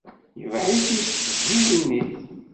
Yebeε-it-id s tdiwennit.